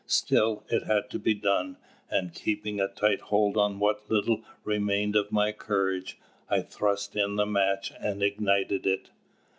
Still, it had to be done; and, keeping a tight hold on what little remained of my courage, I thrust in the match and ignited it.